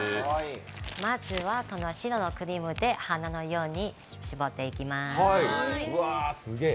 まずは白のクリームで花のように搾っていきます。